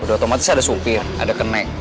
udah otomatis ada supir ada kenek